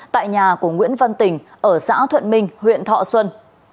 tại nhà của nguyễn văn tình ở xã thuận minh huyện thọ xuân